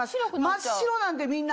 真っ白なんでみんなえっ！